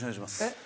えっ？